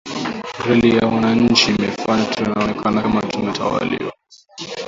Reli ya wachina inatufanya tunaonekana kama tumetawaliwa